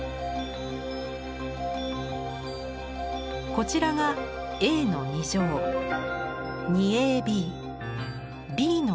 こちらがＡの２乗２ＡＢＢの２乗。